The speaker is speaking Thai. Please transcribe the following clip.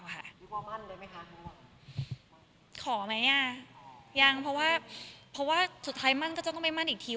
เรียกว่ามั่นเลยไหมคะขอไหมอ่ะยังเพราะว่าเพราะว่าสุดท้ายมั่นก็จะต้องไม่มั่นอีกที